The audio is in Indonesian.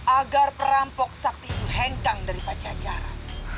agar perampok sakti itu hengkang dari pajajara